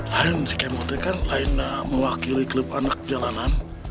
lain si kemotor kan lain mewakili klub anak jalanan